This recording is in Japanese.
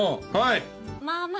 はい。